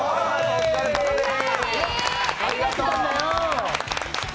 お疲れさまです。